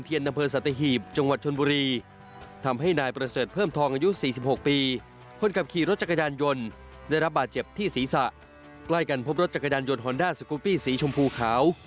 ที่ศีรษะใกล้กันพบรถจักรยานยนต์ฮอนดาสกุปปี้สีชมพูขาว